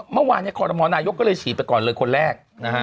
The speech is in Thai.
เมื่อวานหมอนายก็เลยฉีดไปก่อนเลยคนแรก